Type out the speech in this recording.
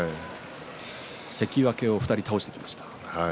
関脇を２人倒してきました。